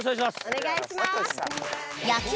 お願いします。